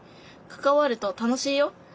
関わると楽しいよ。